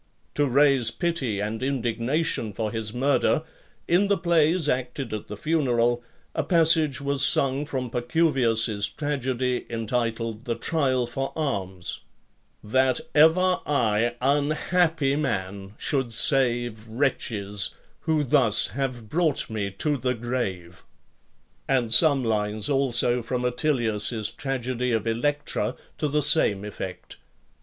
To raise pity and indignation for his murder, in the plays acted at the funeral, a passage was sung from Pacuvius's tragedy, entitled, "The Trial for Arms:" That ever I, unhappy man, should save Wretches, who thus have brought me to the grave! And some lines also from Attilius's tragedy of "Electra," to the same effect.